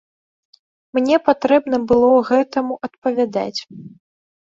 Мне патрэбна было гэтаму адпавядаць.